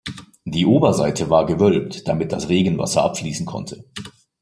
Die Oberseite war gewölbt, damit das Regenwasser abfließen konnte.